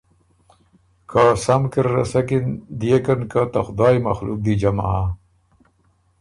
که سم کی رسکِن دئېکِن که ته خدایٛ مخلوق دی جمع هۀ۔